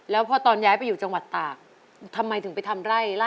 แล้วพอตอนย้ายไปอยู่จังหวัดตากทำไมถึงไปทำไร่ล่ะ